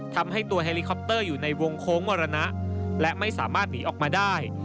ทำให้ตัวเฮลิคอปเตอร์อยู่ในวงโค้งมรณะและไม่สามารถหนีออกมาได้